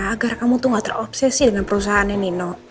agar kamu tuh gak terobsesi dengan perusahaan